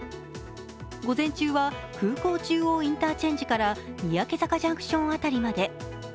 午前中は空港中央インターチェンジから三宅坂ジャンクション辺りまで。